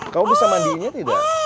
kamu bisa mandiinnya tidak